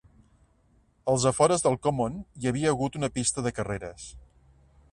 Als afores del Common hi havia hagut una pista de carreres.